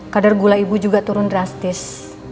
kadar gula ibu juga turun drastis